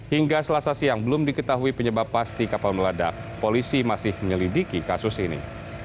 hingga selasa siang belum diketahui penyebab pasti kapal meledak polisi masih menyelidiki kasus ini